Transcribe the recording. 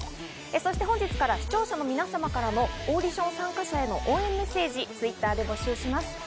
そして本日から視聴者の皆様からのオーディション参加者への応援メッセージをＴｗｉｔｔｅｒで募集します。